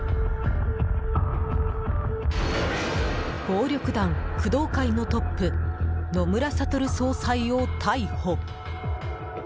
暴力団工藤会のトップ野村悟総裁を逮捕！